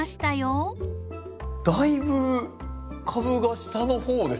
だいぶ株が下の方ですね。